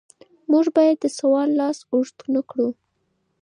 موږ باید د سوال لاس اوږد نکړو.